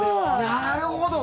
なるほど。